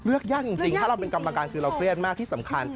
ยากจริงถ้าเราเป็นกรรมการคือเราเครียดมากที่สำคัญ